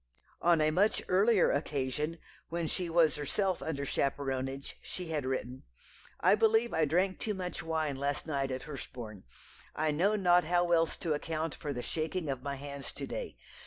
On a much earlier occasion, when she was herself under chaperonage, she had written: "I believe I drank too much wine last night at Hurstbourne. I know not how else to account for the shaking of my hands to day.